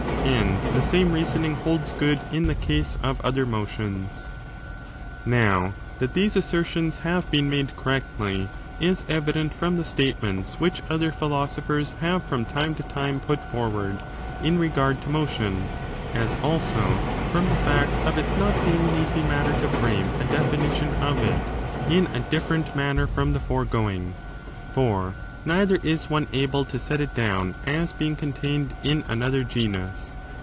And the same reasoning holds good in the case of other motions. Now, that these assertions have been made ., correctly is evident from the statements which of defining mo other philosophers have from time to time put byareferwTce^ forward in regard to motion ; as also from the to other phiio fact of its not being an easy matter to frame ^^^"*' a definition of it in a different manner from the foregoing : for neither is one able to set it down as being contained in another genus.